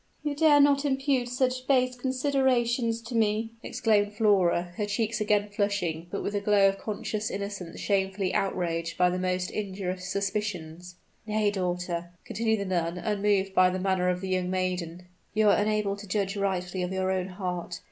"You dare not impute such base considerations to me!" exclaimed Flora, her cheeks again flushing, but with the glow of conscious innocence shamefully outraged by the most injurious suspicions. "Nay, daughter," continued the nun, unmoved by the manner of the young maiden; "you are unable to judge rightly of your own heart.